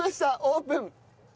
オープン！